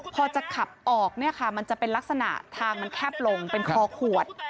พอจะขับออกเนี่ยค่ะมันจะเป็นลักษณะทางมันแคบลงเป็นคอขวด